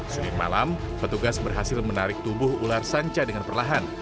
senin malam petugas berhasil menarik tubuh ular sanca dengan perlahan